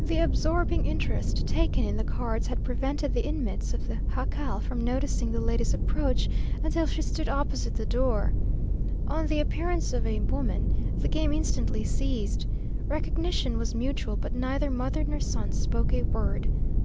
The absorbing interest taken in the cards had prevented the inmates of the jacal from noticing the lady's approach until she stood opposite the door. On the appearance of a woman, the game instantly ceased. Recognition was mutual, but neither mother nor son spoke a word.